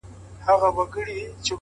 ولي دي يو انسان ته دوه زړونه ور وتراشله،